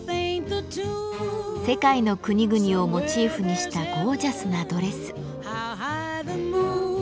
世界の国々をモチーフにしたゴージャスなドレス。